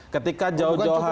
ketika jauh jauh hari